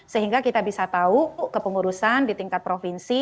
sehingga kita bisa tahu kepengurusan di tingkat provinsi